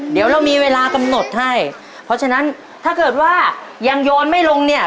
เดี๋ยวเรามีเวลากำหนดให้เพราะฉะนั้นถ้าเกิดว่ายังโยนไม่ลงเนี่ย